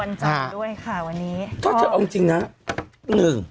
วันจ๋าด้วยค่ะวันนี้ถ้าเธอเอาจริงจริงนะหนึ่ง